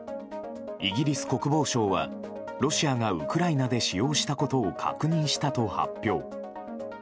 イギリス国防省は、ロシアがウクライナで使用したことを確認したと発表。